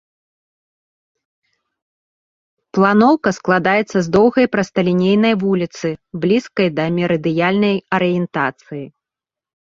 Планоўка складаецца з доўгай прасталінейнай вуліцы, блізкай да мерыдыянальнай арыентацыі.